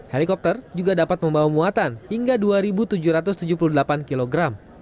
helikopter juga dapat membawa muatan hingga dua tujuh ratus tujuh puluh delapan kg